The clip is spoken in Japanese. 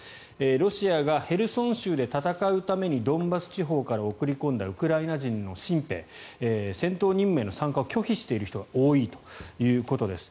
ロシアがヘルソン州で戦うためにドンバス地方から送り込んだウクライナ人の新兵戦闘任務への参加を拒否している人が多いということです。